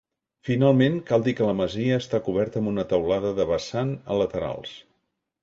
Finalment, cal dir que la masia està coberta amb una teulada de vessant a laterals.